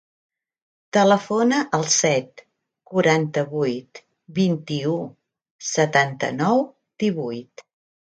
Telefona al set, quaranta-vuit, vint-i-u, setanta-nou, divuit.